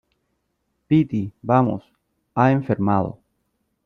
piti , vamos . ha enfermado .